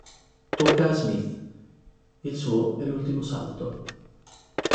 Tocca a Smith: il suo è l'ultimo salto.